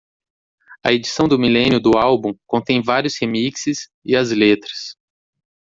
A edição do milênio do álbum contém vários remixes e as letras.